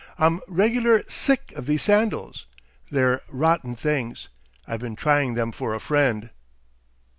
I'm regular sick of these sandals. They're rotten things. I've been trying them for a friend."